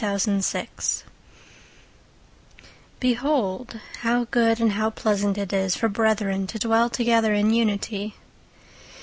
19:133:001 Behold, how good and how pleasant it is for brethren to dwell together in unity!